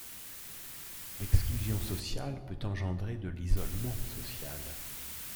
L'exclusion sociale peut engendrer de l'isolement social.